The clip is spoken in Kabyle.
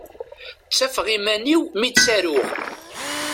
Ttafeɣ iman-iw mi ttaruɣ.